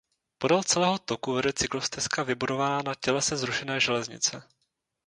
Podél celého toku vede cyklostezka vybudovaná na tělese zrušené železnice.